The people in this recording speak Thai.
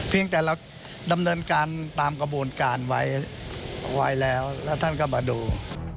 แต่เราดำเนินการตามกระบวนการไว้แล้วแล้วท่านก็มาดู